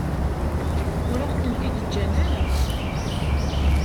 Ur aɣ-tent-id-ǧǧan ara.